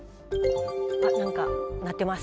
あっ何か鳴ってます。